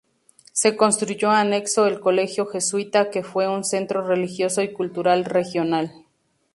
Se construyó anexo el colegio jesuita, que fue un centro religioso y cultural regional.